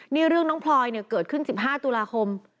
นี่เรื่องน้องพลอยเนี่ยเกิดขึ้น๑๕ตุลาคม